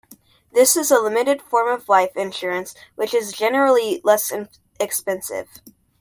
This is a limited form of life insurance which is generally less expensive.